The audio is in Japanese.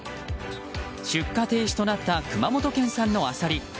出荷停止となった熊本県産のアサリ。